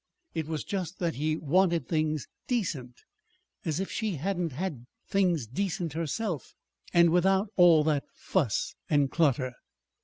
It was just that he wanted things decent. As if she hadn't had things decent herself and without all that fuss and clutter!